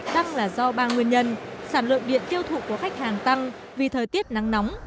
tăng là do ba nguyên nhân sản lượng điện tiêu thụ của khách hàng tăng vì thời tiết nắng nóng